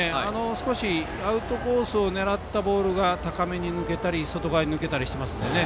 少しアウトコースを狙ったボールが高めに抜けたり外側に抜けたりしてますね。